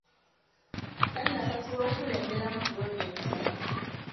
Tannasasulwa okukulemberamu pulojekiti .